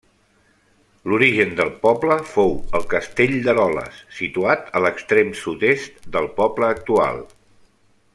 L'origen del poble fou el castell d'Eroles, situat a l'extrem sud-est del poble actual.